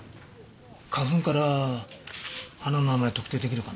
花粉から花の名前特定出来るかな？